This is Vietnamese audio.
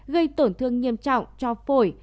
gây tổn thương nghiêm trọng cho phổi